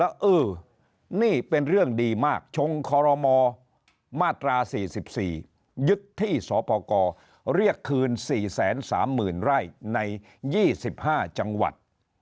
เออนี่เป็นเรื่องดีมากชงคอรมอมาตรา๔๔ยึดที่สปกรเรียกคืน๔๓๐๐๐ไร่ใน๒๕จังหวัด